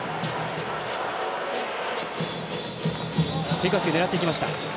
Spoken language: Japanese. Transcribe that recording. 変化球を狙っていきました。